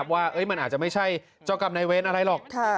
ว่ามันอาจจะไม่ใช่เจ้ากรรมนายเวรอะไรหรอก